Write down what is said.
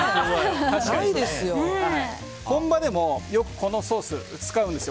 本場でもよくこのソースを使うんですよ。